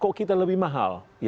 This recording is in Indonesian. kok kita lebih mahal